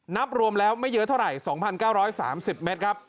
นับรวมแล้วไม่เยอะเท่าไหร่๒๙๓๐เมตรครับ